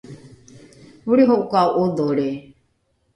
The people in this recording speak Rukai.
olriho’oka’o ’odholri?